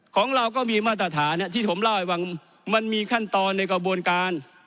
ของเราก็มีมาตรฐานที่ผมเล่าให้ฟังมันมีขั้นตอนในกระบวนการ